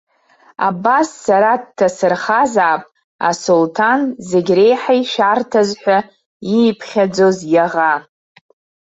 Абас, сара дҭасырхазаап асулҭан зегь реиҳа ишәарҭаз ҳәа ииԥхьаӡоз иаӷа.